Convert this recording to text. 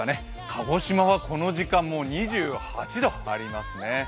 鹿児島はこの時間、もう２８度ありますね。